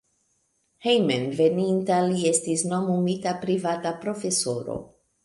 Hejmenveninta li estis nomumita privata profesoro.